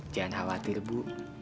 jangan khawatir bu